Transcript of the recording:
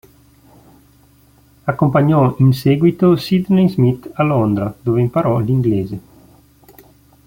Accompagnò in seguito Sidney Smith a Londra, dove imparò l'inglese.